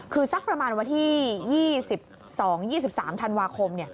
คือสักประมาณวันที่๒๒๒๓ธันวาคม